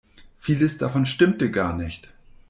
Vieles davon stimmte gar nicht.